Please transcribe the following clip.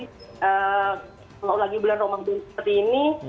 kalau lagi bulan ramadan seperti ini